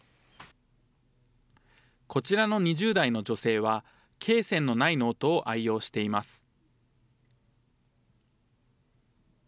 こちらの２０代の女性は、けい線のないノートを愛用しています。